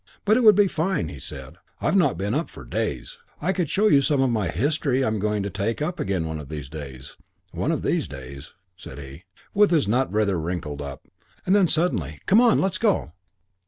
'But it would be fine,' he said. 'I've not been up for days. I could show you some of my history I'm going to take up again one of these days one of these days,' said he, with his nut rather wrinkled up. And then suddenly, 'Come on, let's go!'